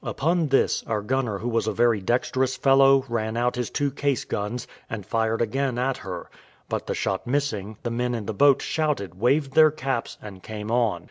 Upon this, our gunner who was a very dexterous fellow ran out his two case guns, and fired again at her, but the shot missing, the men in the boat shouted, waved their caps, and came on.